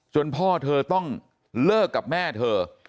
พ่อเธอต้องเลิกกับแม่เธอ